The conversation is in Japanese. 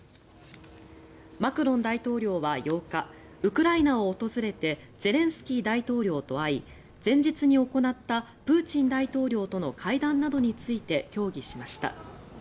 マクロン大統領は８日ウクライナを訪れてゼレンスキー大統領と会い前日に行ったプーチン大統領との会談などについて協議しました。